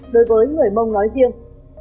đối với người mông nói riêng